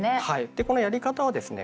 でこのやり方はですね